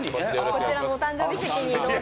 こちらのお誕生日席にどうぞ。